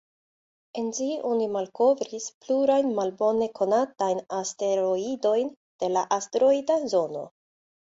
En ĝi oni malkovris plurajn malbone konatajn asteroidojn de la asteroida zono.